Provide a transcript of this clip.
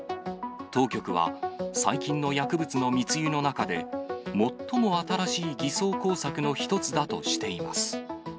当局は、最近の薬物の密輸の中で、最も新しい偽装工作の一つだとしています。